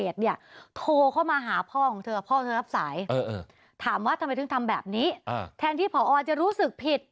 แทนที่พอจะรู้สึกผิด